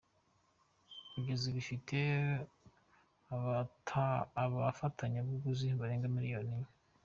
Kugeza ubu ifite abafatabuguzi barenga miliyoni enye.